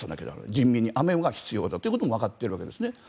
人民にアメが必要だということもわかっているわけですね。